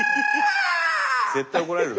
絶対怒られる。